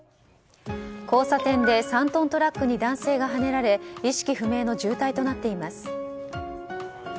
交差点で３トントラックに男性がはねられ意識不明の重体となっています。